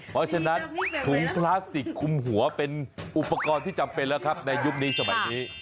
เพราะฉะนั้นถุงพลาสติกคุมหัวเป็นอุปกรณ์ที่จำเป็นแล้วครับในยุคนี้สมัยนี้